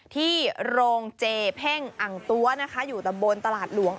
ที่โรงเจเพ่งอังตัวนะคะอยู่ตำบลตลาดหลวง